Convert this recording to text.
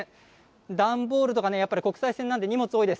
段ボールとかね、やっぱり国際線なんで荷物多いです。